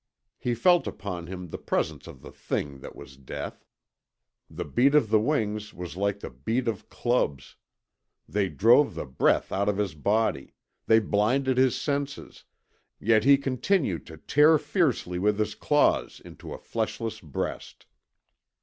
He felt upon him the presence of the Thing that was death. The beat of the wings was like the beat of clubs: they drove the breath out of his body, they blinded his senses, yet he continued to tear fiercely with his claws into a fleshless breast.